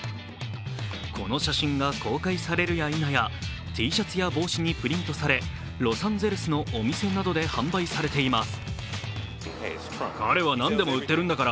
この写真が公開されるやいなやＴシャツや帽子にプリントされロサンゼルスのお店などで販売されています。